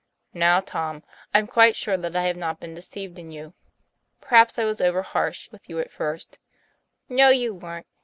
"Now, Tom, I'm quite sure that I have not been deceived in you. Perhaps I was over harsh with you at first " "No, you weren't.